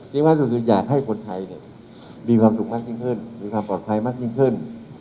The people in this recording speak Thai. จริงว่าส่วนสุดอยากให้คนไทยเนี่ยมีความสุขมากยิ่งขึ้นมีความปลอดภัยมากยิ่งขึ้น